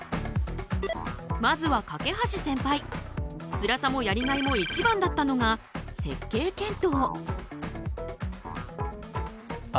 つらさもやりがいもいちばんだったのが設計検討。